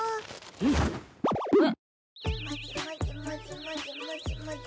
うんうん。